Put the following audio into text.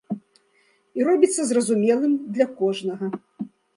І робіцца зразумелым для кожнага.